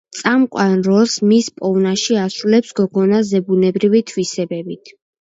წამყვან როლს მის პოვნაში ასრულებს გოგონა ზებუნებრივი თვისებებით.